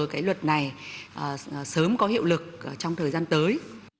rượu bia này sớm có hiệu lực trong thời gian tới